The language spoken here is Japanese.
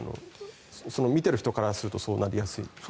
見ている人からするとそうなりやすい。